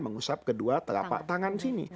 mengusap kedua telapak tangan sini